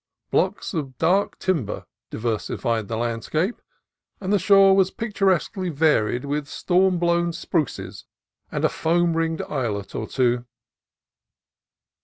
Blocks of dark tim ber diversified the landscape, and the shore was pic turesquely varied with storm blown spruces and a foam ringed islet or two.